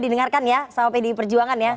didengarkan ya sama pdi perjuangan ya